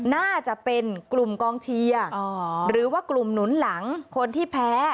น่าจะเป็นกลุ่มกองเชียร์หรือว่ากลุ่มหนุนหลังคนที่แพ้